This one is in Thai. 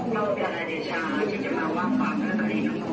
เยี่ยมล่ะ